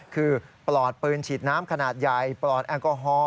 คือปลอดปืนฉีดน้ำขนาดใหญ่ปลอดแอลกอฮอล